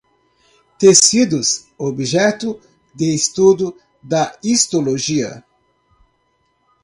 Tecidos: objeto de estudo da histologia